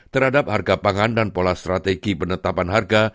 terhadap harga pangan dan pola strategi penetapan harga